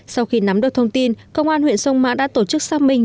sau khi nắm được thông tin công an huyện sông mã đã tổ chức xác minh